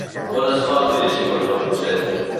On es fa el judici contra el procés?